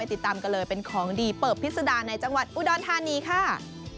ติดตามกันเลยเป็นของดีเปิบพิษดาในจังหวัดอุดรธานีค่ะ